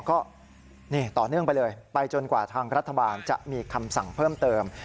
ก็ต่อเนื่องไปเลยไปจนกว่าทางรัฐบาลจะมีคำสั่งเพิ่มเติม